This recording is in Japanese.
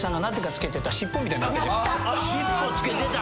尻尾つけてた。